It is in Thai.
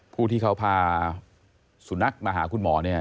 ผู้ที่เขาพาสุนัขมาหาคุณหมอเนี่ย